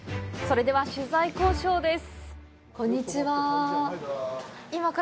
それでは取材交渉です。